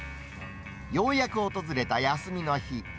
ようやく訪れた休みの日。